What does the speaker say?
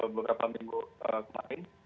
beberapa minggu kemarin